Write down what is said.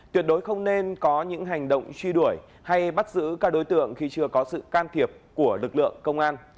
tuyệt đối không nên có những hành động truy đuổi hay bắt giữ các đối tượng khi chưa có sự can thiệp của lực lượng công an